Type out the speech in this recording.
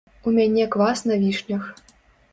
У мяне квас на вішнях.